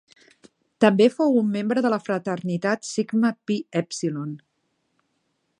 També fou un membre de la fraternitat Sigma Pi Èpsilon.